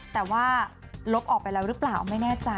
แต่ว่าลบออกไปแล้วหรือเปล่าไม่แน่ใจ